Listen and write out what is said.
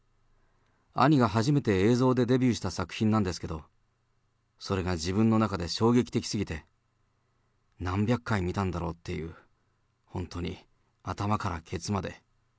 兄が初めて映像でデビューした作品なんですけど、それが自分の中で衝撃的すぎて、何百回見たんだろうって、本当に、頭からけつまで。